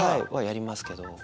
やりますけど。